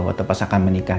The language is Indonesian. waktu pas akan menikah